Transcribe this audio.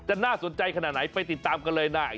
น่าสนใจขนาดไหนไปติดตามกันเลยใน